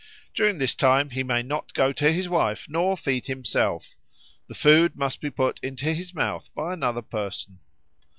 During this time he may not go to his wife nor feed himself; the food must be put into his mouth by another person.